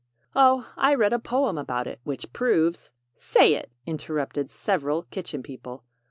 "Oh, I read a poem about it, which proves " "Say it!" interrupted several Kitchen People.